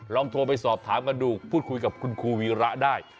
ลองโทรไปสอบถามกันดูพูดคุยกับคุณครูวีระได้